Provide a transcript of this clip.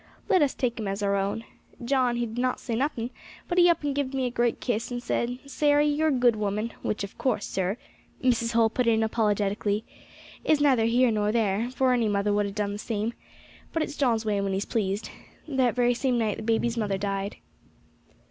Let us take him as our own.' John, he did not say nothing, but he up and gived me a great kiss, and said, 'Sairey, you're a good woman!' which of course, sir," Mrs. Holl put in apologetically, "is neither here nor there, for any mother would have done the same; but it's John's way when he's pleased. That very same night the baby's mother died."